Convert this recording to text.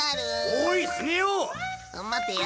待てよ？